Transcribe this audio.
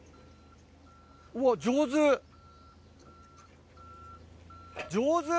うわ上手。